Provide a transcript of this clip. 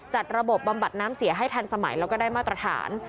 จัดระบบบำบัดน้ำเสียให้ทันสมัยแล้วก็ได้มาตรฐาน